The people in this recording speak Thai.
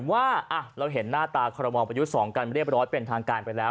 ว่าเราเห็นหน้าตาคอรมอลประยุทธ์๒กันเรียบร้อยเป็นทางการไปแล้ว